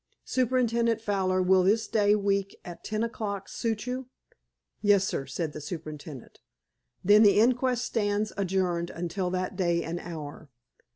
Superintendent Fowler, will this day week at ten o'clock suit you?" "Yes, sir," said the superintendent. "Then the inquest stands adjourned until that day and hour.